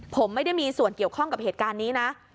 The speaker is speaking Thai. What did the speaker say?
ผมไม่ได้มีส่วนเกี่ยวข้องกับเหตุการณ์นี้นะ